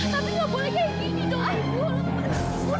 tapi enggak boleh kayak gini doa ibu